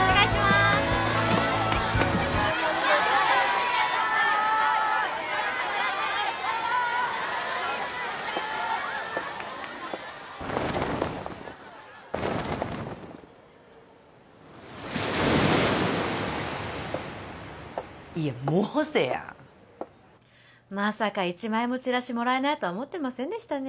すいやモーセやんまさか１枚もチラシもらえないとは思ってませんでしたね